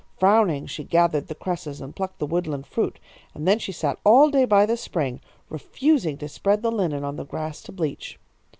Frowning she gathered the cresses and plucked the woodland fruit. And then she sat all day by the spring, refusing to spread the linen on the grass to bleach.